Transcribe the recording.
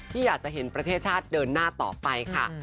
ที่อยากจะเห็นประเทศชาติเดินหน้าต่อไปค่ะ